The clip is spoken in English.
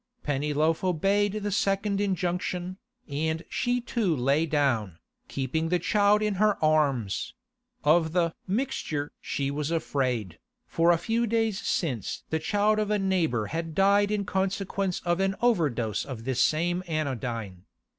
Pennyloaf obeyed the second injunction, and she too lay down, keeping the child in her arms; of the 'mixture' she was afraid, for a few days since the child of a neighbour had died in consequence of an overdose of this same anodyne.